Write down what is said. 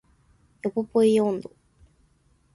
ヨポポイ音頭